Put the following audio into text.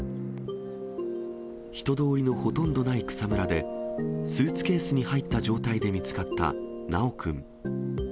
人通りのほとんどない草むらで、スーツケースに入った状態で見つかった修くん。